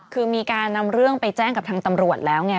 คือมีการนำเรื่องไปแจ้งกับทางตำรวจแล้วไง